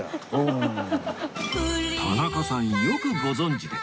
田中さんよくご存じで